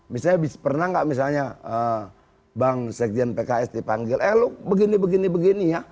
misalnya pernah nggak misalnya bang sekjen pks dipanggil eh lu begini begini ya